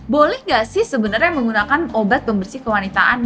boleh nggak sih sebenarnya menggunakan obat pembersih kewanitaan